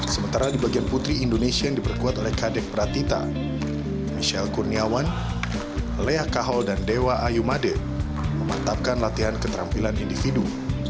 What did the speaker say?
sementara di bagian putri indonesia yang diperkuat oleh kadek pratita michelle kurniawan lea kahol dan dewa ayumade memantapkan latihan keterampilan individu